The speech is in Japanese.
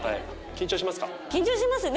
緊張しますか？